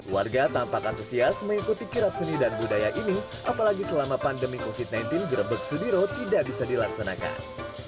warga tampak antusias mengikuti kirap seni dan budaya ini apalagi selama pandemi covid sembilan belas grebek sudiro tidak bisa dilaksanakan